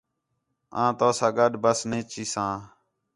آں تَونسا گڈھ بس نی چیساں